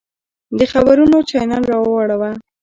د خبرونو چاینل راواړوه!